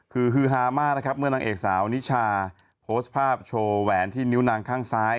คือฮือฮามากนะครับเมื่อนางเอกสาวนิชาโพสต์ภาพโชว์แหวนที่นิ้วนางข้างซ้าย